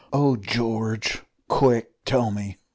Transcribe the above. "Oh! George! quick, tell me!"